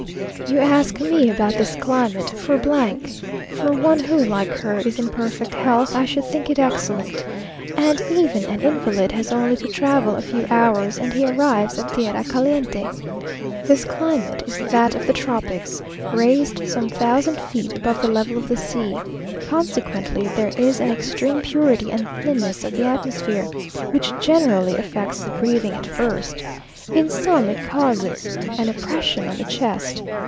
You ask me about this climate, for . For one who, like her, is in perfect health, I should think it excellent; and even an invalid has only to travel a few hours, and he arrives at tierra caliente. This climate is that of the tropics, raised some thousand feet above the level of the sea; consequently there is an extreme purity and thinness of the atmosphere, which generally affects the breathing at first. In some it causes an oppression on the chest.